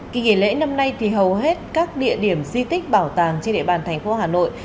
kỳ nghỉ lễ năm nay thì hầu hết các địa điểm di tích bảo tàng trên địa bàn thành phố hà nội